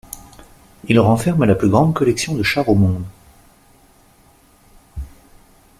Il renferme la plus grande collection de chars au monde.